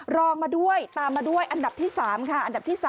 รองมาด้วยตามมาด้วยอันดับที่๓ค่ะ